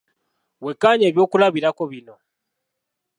Wekkaanye ebyokulabirako bino.